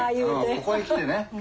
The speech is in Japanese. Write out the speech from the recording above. ここへ来てね